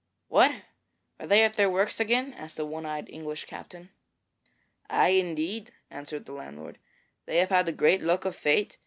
'What! are they at their works again?' asked a one eyed English captain. 'Ay, indeed,' answered the landlord; 'they have had great luck of late.